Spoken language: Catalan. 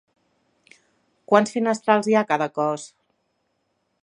Quants finestrals hi ha a cada cos?